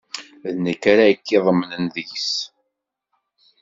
D nekk ara k-iḍemnen deg-s.